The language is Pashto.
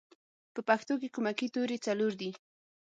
په پښتو کې کومکی توری څلور دی